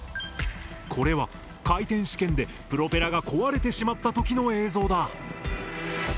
これは回転試験でプロペラが壊れてしまった時の映像だ。